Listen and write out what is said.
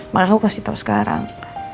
makanya aku kasih tau sekarang